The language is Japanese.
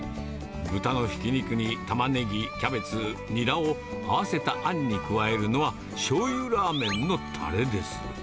豚のひき肉にたまねぎ、きゃべつ、にらを合わせたあんに加えるのは、しょうゆラーメンのたれです。